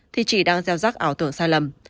thì chỉ đang gieo rắc ảo tưởng sai lầm